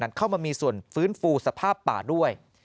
เข้ามามีส่วนฟื้นฟูสภาพป่าด้วย